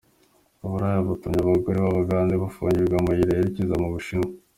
Uburaya butumye abagore b’Abagande bafungirwa amayira yerekeza mu Bushinwa